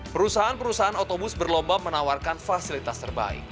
perusahaan perusahaan otobus berlomba menawarkan fasilitas terbaik